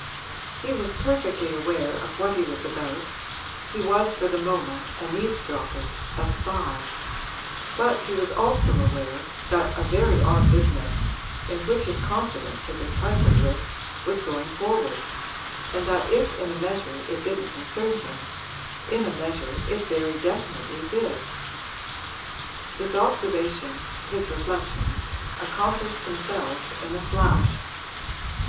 He was perfectly aware of what he was about he was for the moment an eavesdropper, a spy; but he was also aware that a very odd business, in which his confidence had been trifled with, was going forward, and that if in a measure it didn't concern him, in a measure it very definitely did. His observation, his reflections, accomplished themselves in a flash.